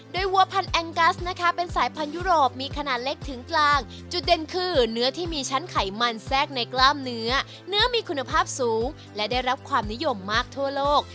โดยวัวพันธแองกัสนะคะเป็นสายพันธุโรปมีขนาดเล็กถึงกลางจุดเด่นคือเนื้อที่มีชั้นไขมันแทรกในกล้ามเนื้อเนื้อมีคุณภาพสูงและได้รับความนิยมมากทั่วโลก